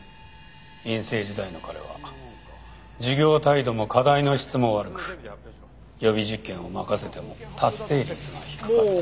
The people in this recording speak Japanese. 院生時代の彼は授業態度も課題の質も悪く予備実験を任せても達成率が低かった。